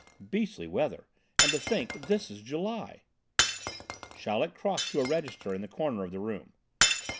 "Beastly weather, and to think this is July." Chaleck crossed to a register in the corner of the room.